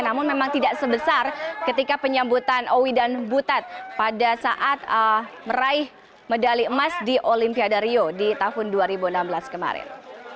namun memang tidak sebesar ketika penyambutan owi dan butet pada saat meraih medali emas di olimpiade rio di tahun dua ribu enam belas kemarin